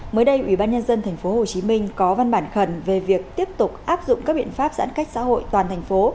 mới đây ubnd tp hcm có văn bản khẩn về việc tiếp tục áp dụng các biện pháp giãn cách xã hội toàn thành phố